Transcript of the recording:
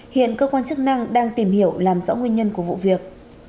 hiện cơ quan chức năng đang tìm hiểu làm rõ nguyên nhân của vụ việc